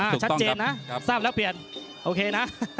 ชัดเจนนะทราบแล้วเปลี่ยนโอเคนะ